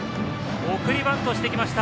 送りバントしてきました。